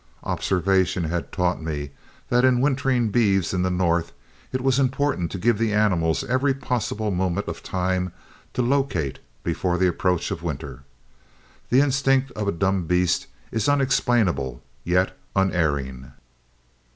Observation had taught me that in wintering beeves in the North it was important to give the animals every possible moment of time to locate before the approach of winter. The instinct of a dumb beast is unexplainable yet unerring.